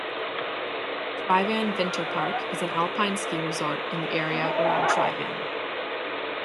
Tryvann vinterpark is an alpine ski resort in the area around Tryvann.